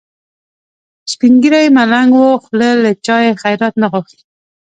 سپین ږیری ملنګ و خو له چا یې خیرات نه غوښت.